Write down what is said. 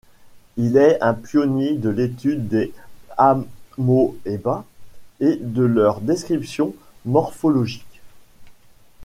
Il est un pionnier de l'étude des Amoeba et de leur description morphologique.